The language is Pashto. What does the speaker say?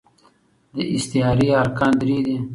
د استعارې ارکان درې دي.